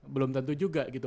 belum tentu juga gitu